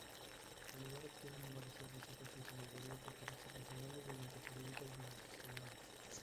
El lugar obtiene numerosas visitas en su mayoría por turistas nacionales durante períodos vacacionales.